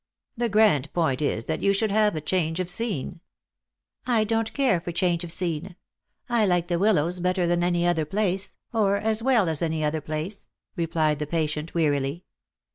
The grand point is that you should have change of scene." " I don't care for change of scene. I like the Willows better than any other place, or as well as any other place," replied the patient wearily.